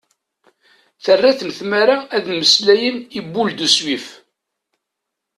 Terra-ten tmara ad mmeslayen i Boule de Suif.